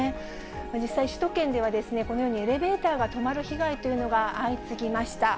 実際、首都圏ではこのようにエレベーターが止まる被害というのが相次ぎました。